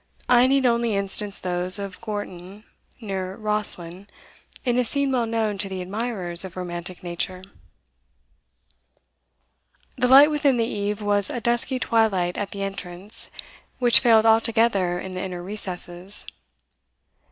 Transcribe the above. I need only instance those of Gorton, near Rosslyn, in a scene well known to the admirers of romantic nature. The light within the eave was a dusky twilight at the entrance, which failed altogether in the inner recesses.